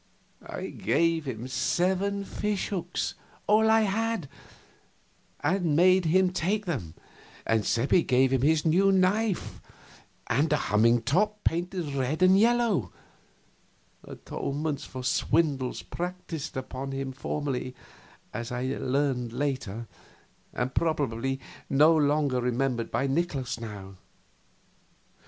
I gave him seven fish hooks all I had and made him take them; and Seppi gave him his new knife and a humming top painted red and yellow atonements for swindles practised upon him formerly, as I learned later, and probably no longer remembered by Nikolaus now.